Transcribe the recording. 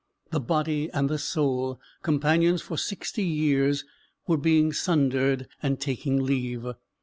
The body and the soul companions for sixty years were being sundered, and taking leave.